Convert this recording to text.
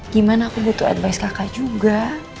gimana aku butuh advice kakak juga